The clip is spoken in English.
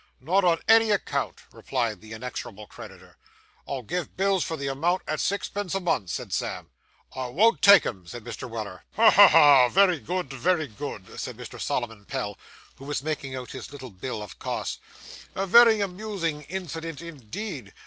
'Not on no account,' replied the inexorable creditor. 'I'll give bills for the amount, at sixpence a month,' said Sam. 'I won't take 'em,' said Mr. Weller. 'Ha, ha, ha! very good, very good,' said Mr. Solomon Pell, who was making out his little bill of costs; 'a very amusing incident indeed!